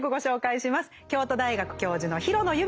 京都大学教授の廣野由美子さんです。